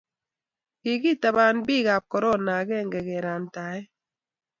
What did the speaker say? Kikitaban bikap korona akende karantain